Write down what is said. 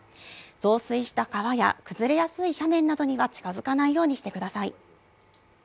増水した川や崩れやすい斜面などには近づかないようにしてください。